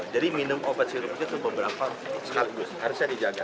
jadi minum obat sirup itu beberapa sekali harusnya dijaga